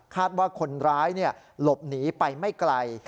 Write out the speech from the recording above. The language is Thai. ว่าคนร้ายหลบหนีไปไม่ไกล